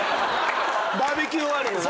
バーベキュー終わりのな。